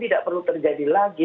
tidak perlu terjadi lagi